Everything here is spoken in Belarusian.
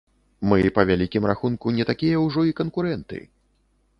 Мы, па вялікім рахунку, не такія ўжо і канкурэнты.